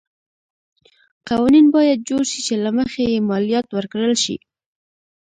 قوانین باید جوړ شي چې له مخې یې مالیات ورکړل شي.